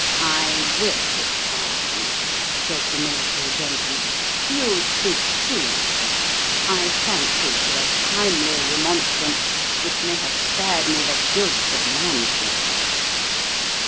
" I will be calm," said the military gentleman. " You speak truly, sir. I thank you for a timely remonstrance, which may have spared me the guilt of manslaughter."